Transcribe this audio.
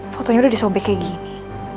fotonya udah disobek kayak gini